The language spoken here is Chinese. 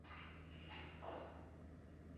川北凉粉是四川南充的著名小吃。